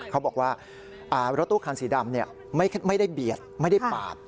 เขาบอกว่ารถตู้คันสีดำไม่ได้เบียดไม่ได้ปาด